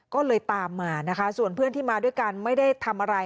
ก็เลยตามมานะคะส่วนเพื่อนที่มาด้วยกันไม่ได้ทำอะไร